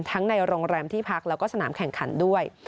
ในโรงแรมที่พักแล้วก็สนามแข่งขันด้วย